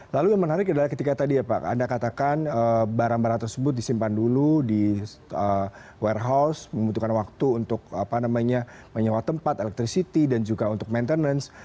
lalu yang menarik adalah ketika tadi ya pak anda katakan barang barang tersebut disimpan dulu di warehouse membutuhkan waktu untuk menyewa tempat electricity dan juga untuk maintenance